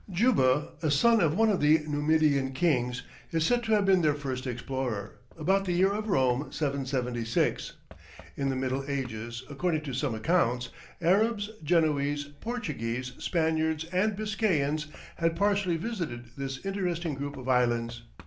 Juba, a son of one of the Numidian kings, is said to have been their first explorer, about the year of Rome 776. In the middle ages, according to some accounts, Arabs, Genoese, Portuguese, Spaniards, and Biscayans, had partially visited this interesting group of islands.